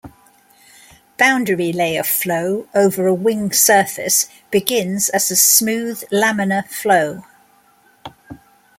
Boundary layer flow over a wing surface begins as a smooth laminar flow.